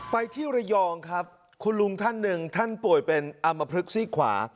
ไปที่ระยองครับคุณลุงท่านหนึ่งท่านป่วยเป็นอำมพลึกซี่ขวา